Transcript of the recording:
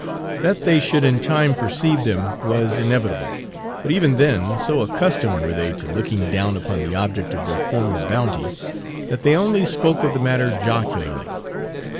That they should in time perceive them was inevitable. But even then, so accustomed were they to looking down upon the object of their former bounty, that they only spoke of the matter jocularly.